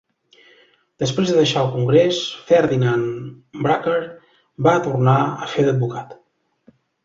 Després de deixar el Congrés, Ferdinand Brucker va tornar a fer d'advocat.